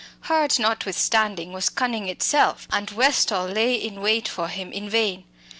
Hurd, notwithstanding, was cunning itself, and Westall lay in wait for him in vain.